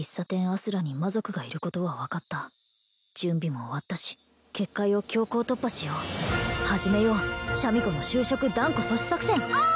あすらに魔族がいることは分かった準備も終わったし結界を強行突破しよう始めようシャミ子の就職断固阻止作戦！